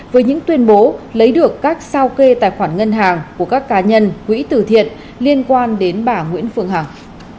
với những tuyên bố lấy được các sao kê tài khoản ngân hàng của các cá nhân quỹ tử thiện liên quan đến bà nguyễn phương hằng